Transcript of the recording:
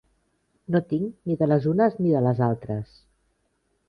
No tinc ni de les unes ni de les altres